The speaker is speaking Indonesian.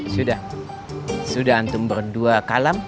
sudah sudah antum berdua kalam